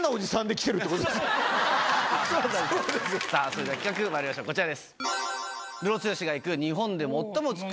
それでは企画まいりましょうこちらです。